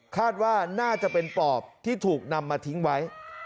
คาดว่าน่าจะเป็นปอบที่ถูกนำมาทิ้งไว้